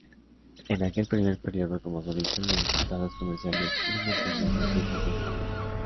En aquel primer período como solista, los resultados comerciales no mantenían un ritmo constante.